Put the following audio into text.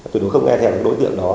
tuyệt đối không nghe theo đối tượng đó